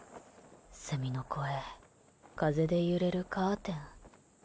セミの声、風で揺れるカーテン。